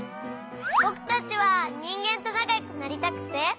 ぼくたちはにんげんとなかよくなりたくて。